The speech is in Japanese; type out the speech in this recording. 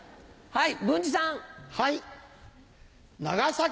はい。